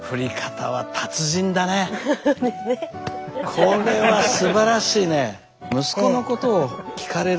これはすばらしいね。